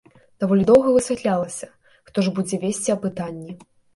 Даволі доўга высвятлялася, хто ж будзе весці апытанні.